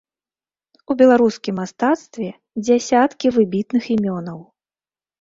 У беларускім мастацтве дзясяткі выбітных імёнаў.